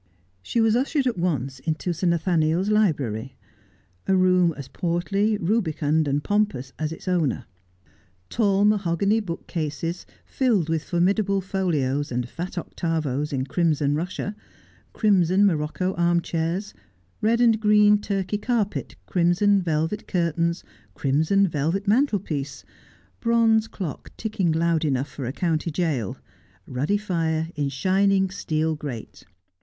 She was ushered at once into Sir Nathaniel's library — a room as portly, rubicund, and pompous as ite owner. Tall mahogany bookcases, filled with formidable folios and fat octavos in crimson russia, crimson morocco armchairs, red and green Turkey carpet, crimson velvet curtains, crimson velvet mantelpiece, bronze clock ticking loud enough for a county jail, ruddy fire in shining steel grate.